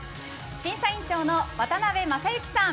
審査員長の渡辺正行さん。